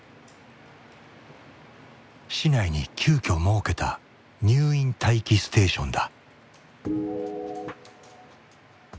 市内に急きょ設けた入院待機ステーションだ。